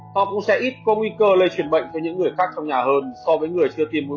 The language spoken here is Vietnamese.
họ cũng sẽ ít có nguy cơ lây truyền bệnh cho những người khác trong nhà hơn so với người chưa tiêm mua